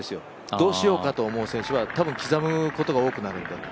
どうしようかと思う選手は、多分、刻むことが多くなるので。